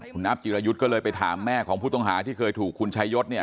คุณอัพจิรายุทธ์ก็เลยไปถามแม่ของผู้ต้องหาที่เคยถูกคุณชายศเนี่ย